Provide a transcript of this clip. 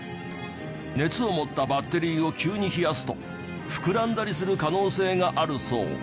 熱を持ったバッテリーを急に冷やすと膨らんだりする可能性があるそう。